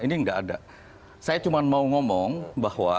ini nggak ada